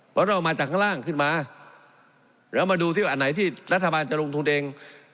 เพราะเรามาจากข้างล่างขึ้นมาแล้วมาดูซิว่าอันไหนที่รัฐบาลจะลงทุนเอง